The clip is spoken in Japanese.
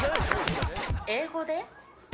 英語で？